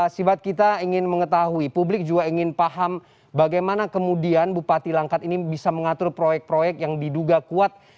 sibat kita ingin mengetahui publik juga ingin paham bagaimana kemudian bupati langkat ini bisa mengatur proyek proyek yang diduga kuat